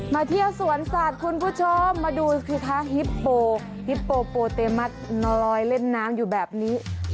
มาเที่ยวสวนสัตว์คุณผู้ชมมาดูสิคะฮิปโปฮิปโปโปเตมัสลอยเล่นน้ำอยู่แบบนี้